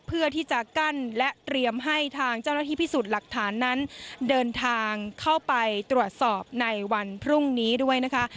เพื่อที่จะกั้นและเตรียมให้ทางเจ้าหน้าที่พิสูจน์หลักฐานนั้นเดินทางเข้าไปตรวจสอบในวันพรุ่งนี้ด้วยนะคะ